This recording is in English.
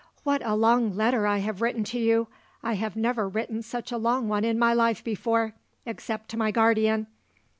What a long letter I have written to you! I have never written such a long one in my life before, except to my guardian.